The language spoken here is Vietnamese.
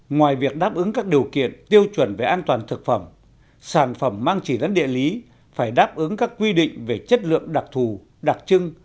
ngoài việc đáp ứng các điều kiện tiêu chuẩn về an toàn thực phẩm sản phẩm mang chỉ dẫn địa lý phải đáp ứng các quy định về chất lượng đặc thù đặc trưng